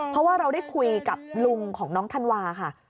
เพราะว่าเราได้คุยกับลุงของน้องธันวาค่ะ